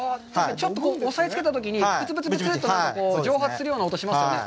ちょっと押さえつけたときにぷつぷつぷつと蒸発するような音がしますね。